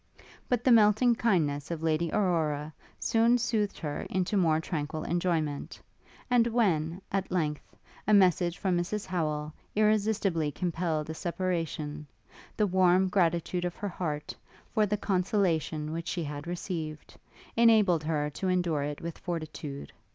But the melting kindness of Lady Aurora soon soothed her into more tranquil enjoyment; and when, at length, a message from Mrs Howel irresistibly compelled a separation, the warm gratitude of her heart, for the consolation which she had received, enabled her to endure it with fortitude.